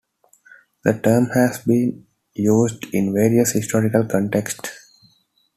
The term has been used in various historical contexts.